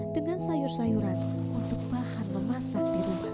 dengan sayur sayuran untuk bahan memasak di rumah